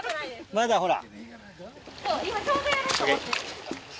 まだほら。